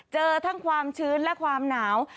เจอทั้งความชื้นและความหนาว